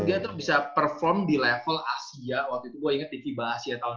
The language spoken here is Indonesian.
dia tuh bisa perform di level asia waktu itu gue inget di fiba asia tahun dua ribu